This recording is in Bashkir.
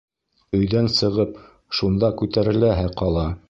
Өйҙән сығып, шунда күтәреләһе ҡала.